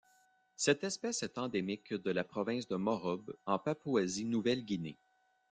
Cette espèce est endémique de la province de Morobe en Papouasie-Nouvelle-Guinée.